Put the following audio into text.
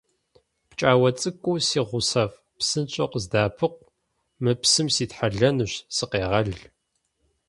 ПкӀауэ цӀыкӀуу си гъусэфӀ, псынщӀэу къыздэӀэпыкъу, мы псым ситхьэлэнущ, сыкъегъэл!